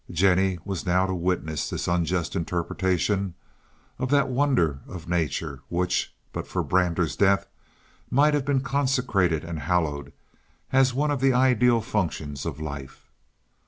Jennie was now to witness the unjust interpretation of that wonder of nature, which, but for Brander's death, might have been consecrated and hallowed as one of the ideal functions of life.